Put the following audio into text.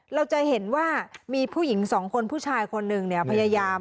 เราจะเห็นว่ามีผู้หญิงสองคนผู้ชายคนหนึ่งเนี่ยพยายาม